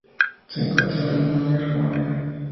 Se encuentra en Alemania y Rumania.